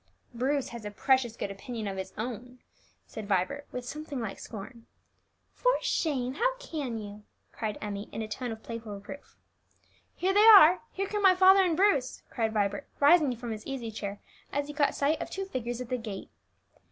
"Bruce has a precious good opinion of his own," said Vibert, with something like scorn. "For shame! how can you!" cried Emmie, in a tone of playful reproof. "Here they are! here come my father and Bruce!" cried Vibert, rising from his easy chair as he caught sight of two figures at the gate.